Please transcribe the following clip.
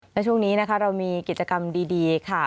และช่วงนี้นะคะเรามีกิจกรรมดีค่ะ